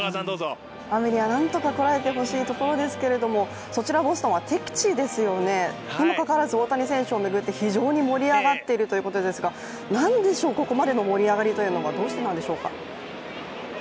雨にはなんとかこらえてほしいところですけどもそちらボストンは敵地ですよね、にもかかわらず大谷選手を巡って非常に盛り上がっているということですがここまでの盛り上がりというのはどうしてなんでしょうか？